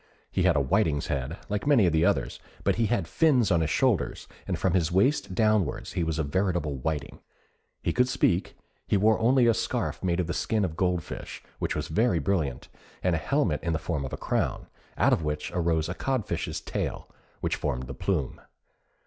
He had a whiting's head, like many of the others; but he had fins on his shoulders, and from his waist downwards he was a veritable whiting. He could speak, and wore only a scarf made of the skin of goldfish, which was very brilliant, and a helmet in the form of a crown, out of which arose a codfish's tail, which formed the plume.